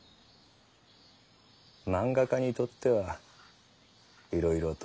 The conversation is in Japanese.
漫画家にとってはいろいろと。